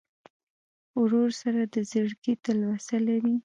ورور سره د زړګي تلوسه لرې.